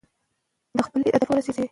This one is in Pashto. هغه د خپلو اهدافو لپاره کلک هوډ درلود.